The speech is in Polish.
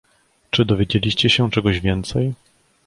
"Czy dowiedzieliście się czegoś więcej?"